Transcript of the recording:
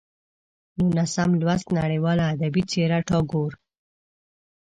نولسم لوست: نړیواله ادبي څېره ټاګور